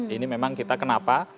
ini memang kita kenapa